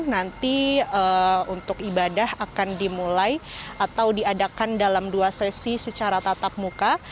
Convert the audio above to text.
nanti untuk ibadah akan dimulai atau diadakan dalam dua sesi secara tatap muka